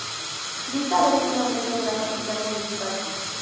Dista dos kilómetros de la capital municipal.